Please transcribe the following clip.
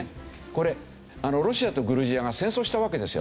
これロシアとグルジアが戦争したわけですよね。